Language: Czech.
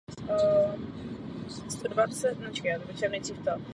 V tomto směru nastal tedy určitý pokrok.